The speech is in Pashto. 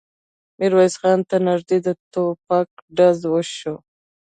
ميرويس خان ته نږدې د ټوپک ډز شو.